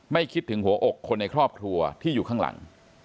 คิดถึงหัวอกคนในครอบครัวที่อยู่ข้างหลัง